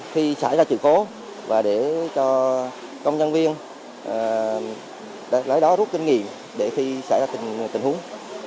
khi xảy ra sự cố và để cho công nhân viên lấy đó rút kinh nghiệm để khi xảy ra tình huống